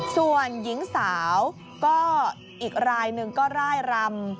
ส่วนหญิงสาวก็อีกรายหนึ่งก็ร่ายรำ